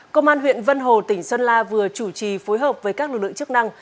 công an huyện vân hồ tỉnh sơn la vừa chủ trì phối hợp với các lực lượng chức năng